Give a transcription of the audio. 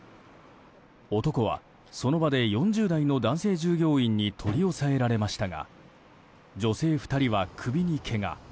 男はその場で４０代の男性従業員に取り押さえられましたが女性２人は首にけが。